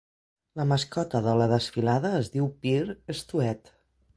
La mascota de la desfilada es diu Peer Stoet.